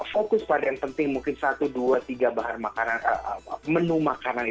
fokus pada yang penting mungkin satu dua tiga bahan makanan menu makanan